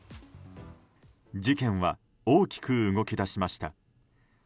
事件は大きく動き出しました。